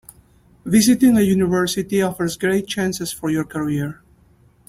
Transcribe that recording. Visiting a university offers great chances for your career.